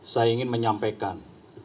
saya ingin menyampaikan